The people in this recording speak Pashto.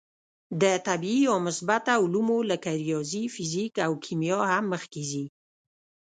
د طبعي یا مثبته علومو لکه ریاضي، فیزیک او کیمیا هم مخکې ځي.